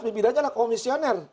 pimpinannya adalah komisioner